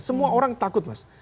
semua orang takut mas